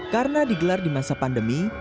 karena digelar di masa pandemi